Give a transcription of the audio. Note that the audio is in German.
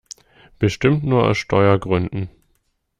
Bestimmt nur aus Steuergründen!